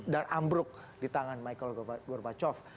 dan ambruk di tangan michael gorbacov